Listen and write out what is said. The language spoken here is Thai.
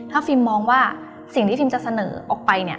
ถ้าฟิล์มมองว่าสิ่งที่ฟิล์มจะเสนอออกไปเนี่ย